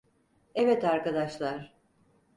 Evet arkadaşlar…